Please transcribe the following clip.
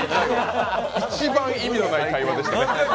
一番意味のない会話でしたね。